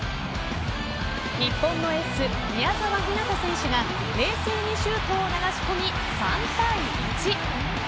日本のエース、宮澤ひなた選手が冷静にシュートを流し込み３対１。